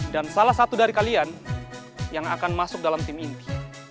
dan salah satu dari kalian yang akan masuk dalam tim inti